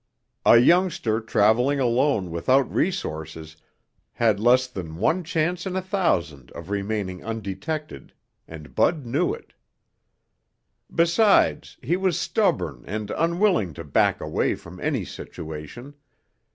A youngster traveling alone without resources had less than one chance in a thousand of remaining undetected, and Bud knew it. Besides, he was stubborn and unwilling to back away from any situation.